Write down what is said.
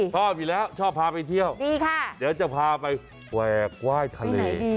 ชอบอยู่แล้วชอบพาไปเที่ยวดีค่ะเดี๋ยวจะพาไปแหวกไหว้ทะเล